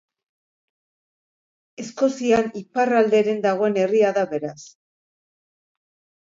Eskozian iparralderen dagoen herria da beraz.